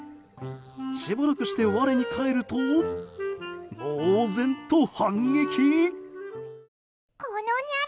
しばらくして、我に返ると猛然と反撃。